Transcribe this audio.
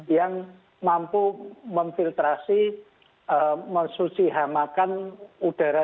yang mampu memfiltrasi mensusihamakan udara